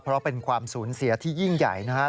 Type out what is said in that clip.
เพราะเป็นความสูญเสียที่ยิ่งใหญ่นะครับ